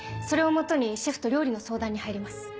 それを基にシェフと料理の相談に入ります。